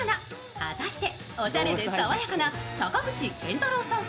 果たしておしゃれでさわやかな坂口健太郎さん風